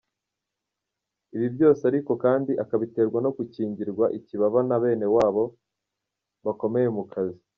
ibi byose ariko kandi akabiterwa no gukingirwa ikibaba na benewabo bakomeye mukazi.